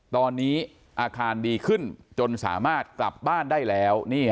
ตอนนี้อาการดีขึ้นจนสามารถกลับบ้านได้แล้ว